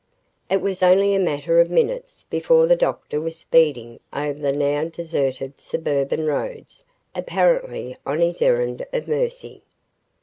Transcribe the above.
It was only a matter of minutes before the doctor was speeding over the now deserted suburban roads, apparently on his errand of mercy.